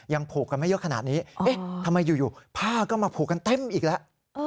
ผูกกันไม่เยอะขนาดนี้เอ๊ะทำไมอยู่ผ้าก็มาผูกกันเต็มอีกแล้ว